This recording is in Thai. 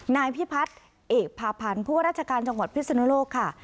นายพิพัฒน์เอกพาพันธ์ผู้ว่าราชการจังหวัดพิศนุโลกค่ะ